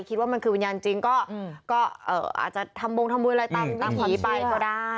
คิดว่ามันคือวิญญาณจริงก็อาจจะทำบงทำบุญอะไรตามผีไปก็ได้